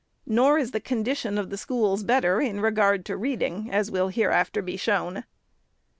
Nor is the condition of the schools better in regard to read ing, as will hereafter be shown.